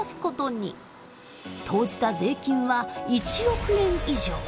投じた税金は１億円以上。